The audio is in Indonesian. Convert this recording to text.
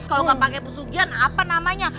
kalau nggak pake pesugihan apa namanya